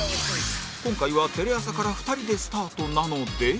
今回はテレ朝から２人でスタートなので